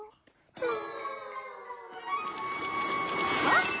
うん？